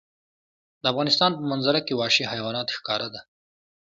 د افغانستان په منظره کې وحشي حیوانات ښکاره ده.